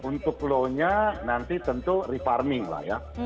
untuk low nya nanti tentu refarming lah ya